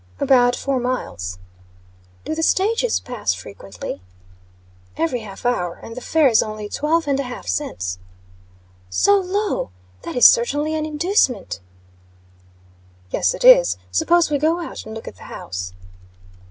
"About four miles." "Do the stages pass frequently?" "Every half hour; and the fare is only twelve and a half cents." "So low! That is certainly an inducement." "Yes, it is. Suppose we go out and look at the house?"